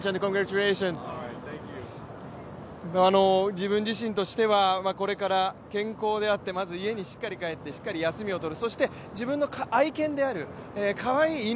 自分自身としてはこれから健康であって、まず家にしっかり帰ってしっかり休みをとる。